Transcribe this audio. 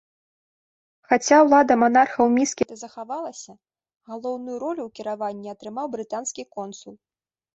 Хаця ўлада манархаў міскіта захавалася, галоўную ролю ў кіраванні атрымаў брытанскі консул.